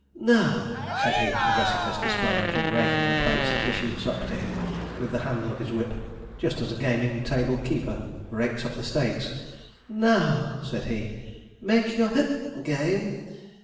Now,' said he, addressing Mr. Sponge, and raking the plates and dishes up to him with the handle of his whip, just as a gaming table keeper rakes up the stakes, 'now,' said he, 'make your game.